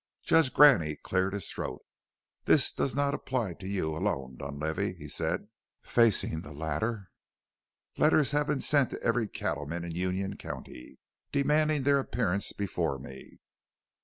Judge Graney cleared his throat. "This does not apply to you alone, Dunlavey," he said, facing the latter. "Letters have been sent to every cattleman in Union County, demanding their appearance before me.